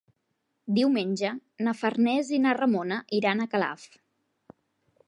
Diumenge na Farners i na Ramona iran a Calaf.